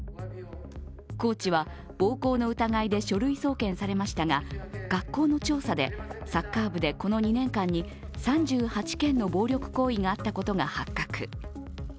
コーチは、暴行の疑いで書類送検されましたが、学校の調査で、サッカー部でこの２年間に３８件の暴力行為があったことが発覚。